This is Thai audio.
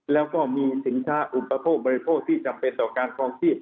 แล้วก็มีสินค้าอุปโภคบริโภคที่จำเป็นต่อการครองชีพ